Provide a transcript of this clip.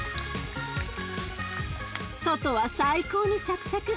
外は最高にサクサク。